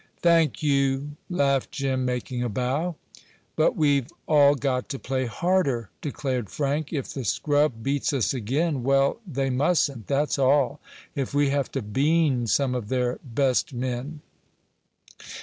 "Thank you!" laughed Jim, making a bow. "But we've all got to play harder," declared Frank. "If the scrub beats us again well, they mustn't, that's all, if we have to 'bean' some of their best men."